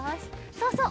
そうそう。